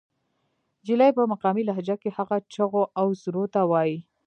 جلۍ پۀ مقامي لهجه کښې هغه چغو او سُورو ته وائي